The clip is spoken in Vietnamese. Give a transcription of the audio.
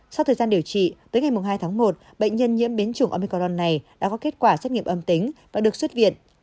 sau thời gian điều trị tới ngày hai tháng một bệnh nhân nhiễm biến chủng amicron này đã có kết quả xét nghiệm âm tính và được xuất viện